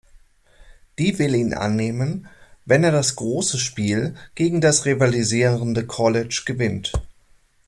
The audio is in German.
Die will ihn annehmen, wenn er das große Spiel gegen das rivalisierende College gewinnt.